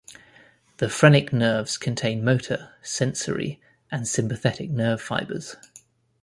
The phrenic nerves contain motor, sensory, and sympathetic nerve fibers.